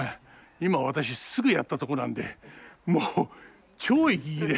今私すぐやったとこなんでもう超息切れ。